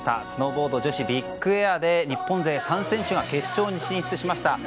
スノーボード女子ビッグエアで日本勢３選手が決勝に進出しました。